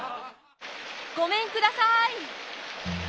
ごめんください。